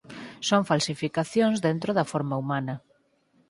Son falsificacións dentro da forma humana.